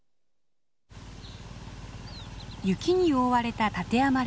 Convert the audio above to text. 雪に覆われた立山連峰。